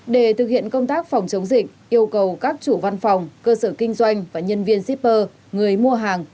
để thực hiện công tác phòng chống dịch yêu cầu các chủ văn phòng cơ sở kinh doanh và nhân viên shipper người mua hàng